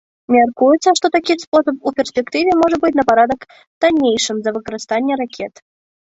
Мяркуецца, што такі спосаб у перспектыве можа быць на парадак таннейшым за выкарыстанне ракет.